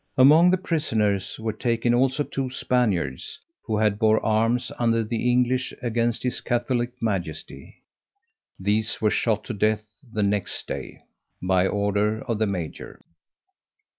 Among the prisoners were taken also, two Spaniards, who had bore arms under the English against his Catholic Majesty: these were shot to death the next day, by order of the major.